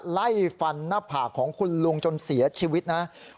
ไล่ฟันหน้าผากของคุณลุงจนเสียชีวิตนะครับ